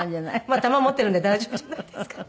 まあ玉持ってるんで大丈夫じゃないですか？